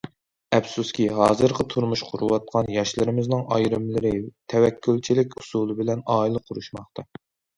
ئەپسۇسكى ھازىرقى تۇرمۇش قۇرۇۋاتقان ياشلىرىمىزنىڭ ئايرىملىرى تەۋەككۈلچىلىك ئۇسۇلى بىلەن ئائىلە قۇرۇشماقتا.